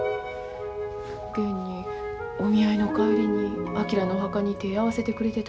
現にお見合いの帰りに昭のお墓に手ぇ合わせてくれてたしな。